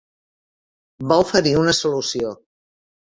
Va oferir una solució.